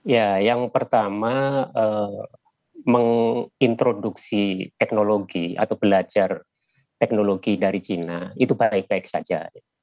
ya yang pertama mengintroduksi teknologi atau belajar teknologi dari china itu baik baik saja